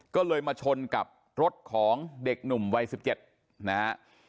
ก็เลยมาชนกับรถของเด็กหนุ่มวัย๑๗นะฮะ